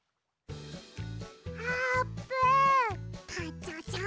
あーぷん。